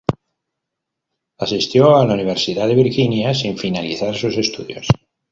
Asistió a la Universidad de Virginia sin finalizar sus estudios.